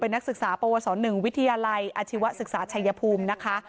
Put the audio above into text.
นักศึกษาปวส๑วิทยาลัยอาชีวศึกษาชัยภูมินะคะ